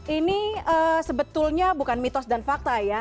ini sebetulnya bukan mitos dan fakta ya